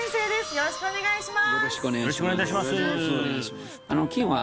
よろしくお願いします